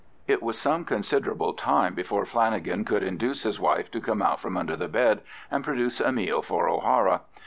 It was some considerable time before Flanagan could induce his wife to come out from under the bed and produce a meal for O'Hara.